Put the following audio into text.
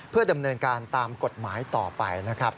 เพื่อดำเนินการตามกฎหมายต่อไปนะครับ